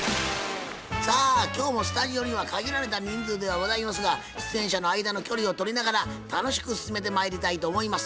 さあ今日もスタジオには限られた人数ではございますが出演者の間の距離を取りながら楽しく進めてまいりたいと思います。